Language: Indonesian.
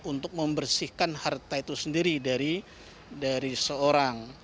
untuk membersihkan harta itu sendiri dari seorang